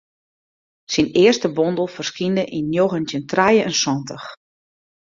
Syn earste bondel ferskynde yn njoggentjin trije en santich.